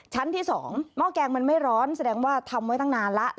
ชั้นที่๒หม้อแกงมันไม่ร้อนแสดงว่าทำไว้ตั้งนานแล้ว